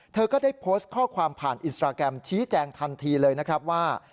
เธอก็ได้โพสต์ข้อความผ่านอินสตราแกรมชี้แจงทันทีเลยนะครับว่า